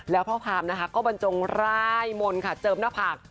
แล้วข้อความนะคะก็บรรจงร่ายมนต์ค่ะเจิมหน้าผาก